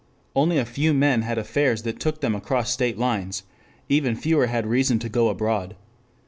Only a few men had affairs that took them across state lines. Even fewer had reason to go abroad.